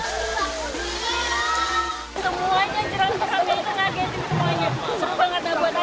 semuanya jeram jeram jeram jeram semuanya